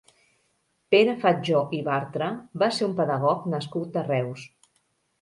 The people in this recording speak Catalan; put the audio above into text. Pere Fatjó i Bartra va ser un pedagog nascut a Reus.